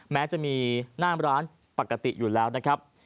แม้จะมีหน้าร้านปกติอยู่แล้วนะครับ